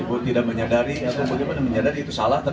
ibu tidak menyadari atau bagaimana menyadari itu salah